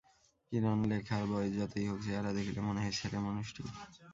কিরণলেখার বয়স যতই হউক চেহারা দেখিলে মনে হয় ছেলেমানুষটি।